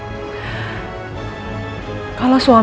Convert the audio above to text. injilnya cabut tadi